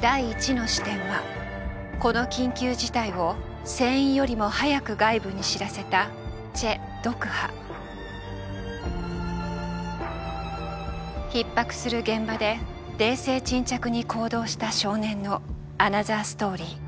第１の視点はこの緊急事態を船員よりも早く外部に知らせたひっ迫する現場で冷静沈着に行動した少年のアナザーストーリー。